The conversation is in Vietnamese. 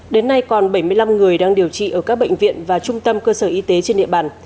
đến nay còn bảy mươi năm người đang điều trị ở các bệnh viện và trung tâm cơ sở y tế trên địa bàn